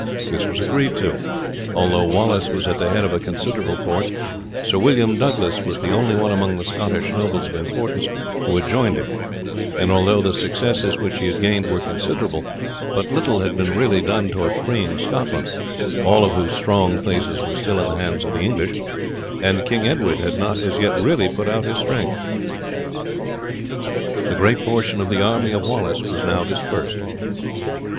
This was agreed to. Although Wallace was at the head of a considerable force, Sir William Douglas was the only one among the Scottish nobles of importance who had joined him; and although the successes which he had gained were considerable, but little had been really done towards freeing Scotland, all of whose strong places were still in the hands of the English, and King Edward had not as yet really put out his strength. The greater portion of the army of Wallace was now dispersed.